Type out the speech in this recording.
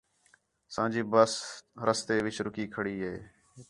اساں جی بس رستے وِچ رُکی کھڑی ہے